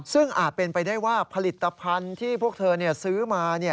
ซึ่งอาจเป็นไปได้ว่าผลิตภัณฑ์ที่พวกเธอซื้อมา